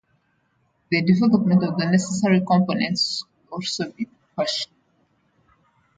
The development of the necessary components will also be pursued.